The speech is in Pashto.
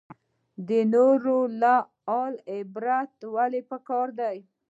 د نورو له حاله عبرت ولې پکار دی؟